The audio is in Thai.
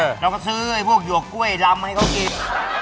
เราก็ซื้อไอ้พวกหยวกกล้วยดำให้เขากิน